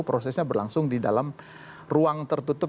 prosesnya berlangsung di dalam ruang tertutup